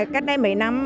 cách đây mấy năm